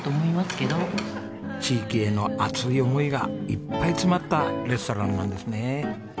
地域への熱い思いがいっぱい詰まったレストランなんですね。